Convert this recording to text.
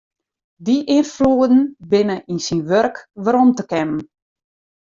Dy ynfloeden binne yn syn wurk werom te kennen.